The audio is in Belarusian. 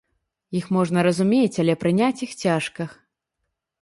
Іх можна разумець, але прыняць іх цяжка.